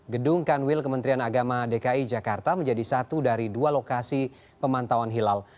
gedung kanwil kementerian agama dki jakarta menjadi satu dari dua lokasi pemantauan hilal